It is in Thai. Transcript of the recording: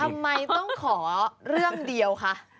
ทำไมต้องขอเรื่องเดียวคะ